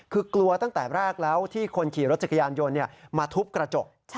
คือกลัวตั้งแต่แรกแล้วที่คนขี่รถจักรยานยนต์มาทุบกระจก